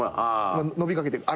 伸びかけて。